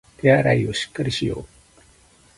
手洗いをしっかりしよう